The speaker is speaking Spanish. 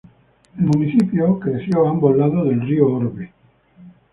El municipio creció a ambos lados del río Orbe.